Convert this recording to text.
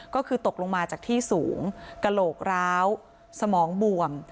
ก็คือตกลงมาจากที่สูงกระโหลกร้าวสมองบวม